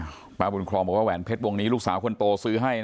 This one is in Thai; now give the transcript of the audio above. โทรประบุลครอบบว่าแหวนเพชรวงนี้ลูกสาวคนโตซื้อให้